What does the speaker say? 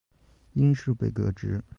因事被革职。